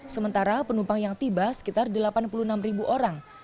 sementara penumpang yang tiba sekitar delapan puluh enam ribu orang